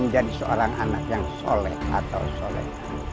menjadi seorang anak yang soleh atau soleh